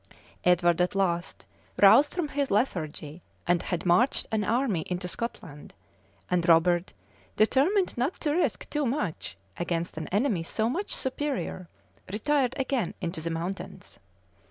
Edward at last, roused from his lethargy, had marched an army into Scotland, and Robert, determined not to risk too much against an enemy so much superior, retired again into the mountains.